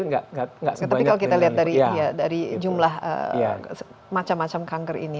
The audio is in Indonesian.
tapi kalau kita lihat dari jumlah macam macam kanker ini